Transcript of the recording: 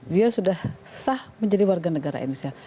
dia sudah sah menjadi warga negara indonesia